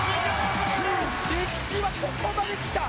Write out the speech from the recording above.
歴史はここまで来た！